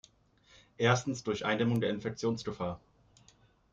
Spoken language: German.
Erstens durch Eindämmung der Infektionsgefahr.